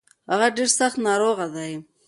هغه ډير سځت ناروغه دی.